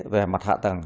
về mặt hạ tầng